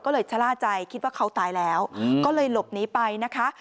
ก็เลยชะล่าใจคิดว่าเขาตายแล้วก็เลยหลบหนีไปนะคะ